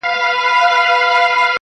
په قېمت د سر یې ختمه دا سودا سوه,